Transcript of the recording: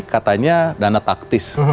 katanya dana taktis